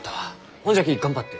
ほんじゃき頑張って。